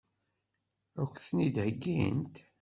Ad k-ten-id-heggint?